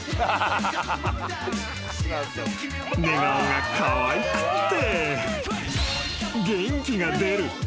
［寝顔がかわいくって］